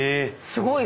すごーい！